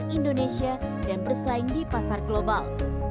indonesia dan bersaing di pasar global